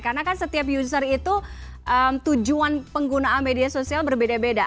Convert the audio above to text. karena kan setiap user itu tujuan penggunaan media sosial berbeda beda